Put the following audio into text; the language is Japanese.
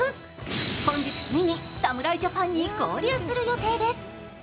本日、ついに侍ジャパンに合流する予定です。